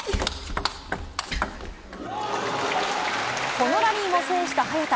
このラリーも制した早田。